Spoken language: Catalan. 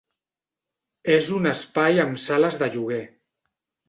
És un espai amb sales de lloguer.